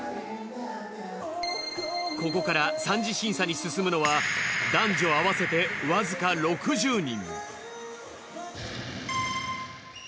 ここから三次審査に進むのは男女合わせてわずか６０人。